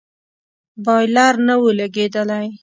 بايلر نه و لگېدلى.